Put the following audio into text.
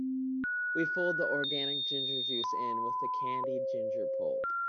We fold the organic ginger juice in with the candied ginger pulp.